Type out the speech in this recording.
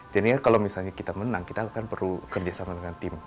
jadi kalau misalnya kita menang kita akan perlu kerjasama dengan tim